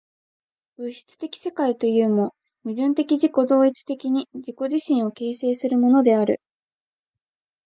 物質的世界というも、矛盾的自己同一的に自己自身を形成するものである。